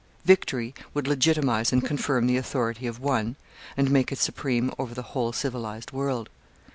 Victory would legitimize and confirm the authority of one, and make it supreme over the whole civilized world.